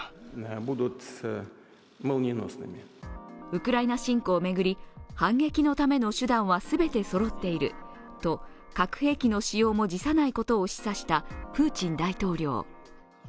ウクライナ侵攻を巡り反撃のための手段は全てそろっていると核兵器の使用も辞さないことを示唆したプーチン大統領。